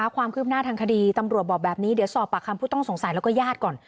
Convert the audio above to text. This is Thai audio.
ความคืบหน้าทางคดีตำรวจบอกแบบนี้เดี๋ยวสอบปากคำผู้ต้องสงสัยแล้วก็ญาติก่อน